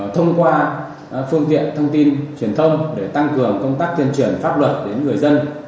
thông qua phương tiện thông tin truyền thông để tăng cường công tác tuyên truyền pháp luật đến người dân